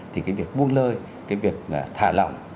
thì cái việc buông lơi cái việc thả lỏng